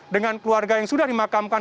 dengan keluarga yang sudah dimakamkan